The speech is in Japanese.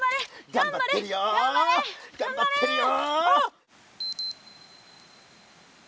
がんばってるよがんばってるよ。